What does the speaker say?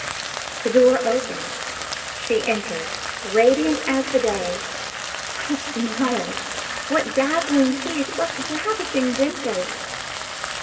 The door opened; she entered, radiant as the day! What a smile! what dazzling teeth! what ravishing dimples!